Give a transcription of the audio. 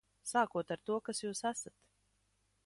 Sākot ar to, kas jūs esat.